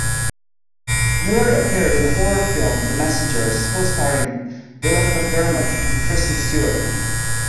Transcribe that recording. Miller appeared in the horror film "The Messengers", co-starring Dylan McDermott and Kristen Stewart.